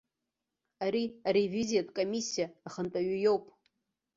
Ари аревизиатә комиссиа ахантәаҩы иоуп.